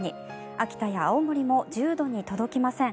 秋田や青森も１０度に届きません。